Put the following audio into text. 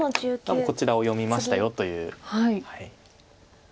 多分こちらを読みましたよという。